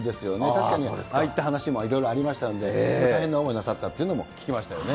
確かに、ああいった話もありましたから、大変な思いをなさったっていうのも聞きましたよね。